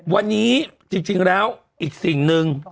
วันนี้จริงแล้วอีกสิ่งหนึ่ง